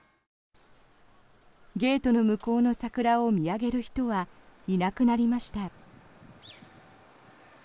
ゲートの向こうの桜を見上げる人はいなくなりました。